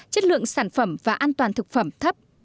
chất lượng sản phẩm và an toàn thực phẩm thấp